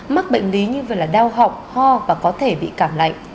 mắc bệnh lý như là đau học ho và có thể bị cảm lạnh